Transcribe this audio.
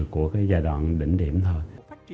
của cái giai đoạn đỉnh điểm thôi